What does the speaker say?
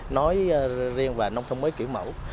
nói riêng về nông thôn mới kiểu mẫu